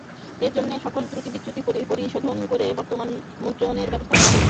এ জন্যে সকল ত্রুটি-বিচ্যুতি পরিশোধন করে বর্তমান মুদ্রণের ব্যবস্থা করা হয়েছে।